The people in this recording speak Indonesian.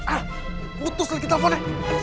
ah putus lagi teleponnya